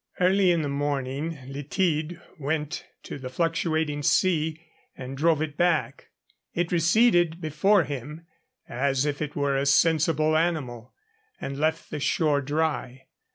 Early in the morning Illtyd went to the fluctuating sea and drove it back; it receded before him 'as if it were a sensible animal,' and left the shore dry.